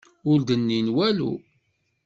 Ur d-nnin walu.